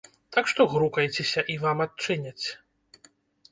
Так што грукайцеся, і вам адчыняць.